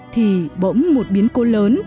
thì bỗng một biến cô lớn